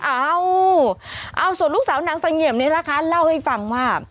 เอาเอาส่วนลูกสาวนางเสงี่ยมนี้นะคะเล่าให้ฟังว่า